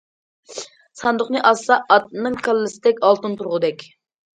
ساندۇقنى ئاچسا، ئاتنىڭ كاللىسىدەك ئالتۇن تۇرغۇدەك.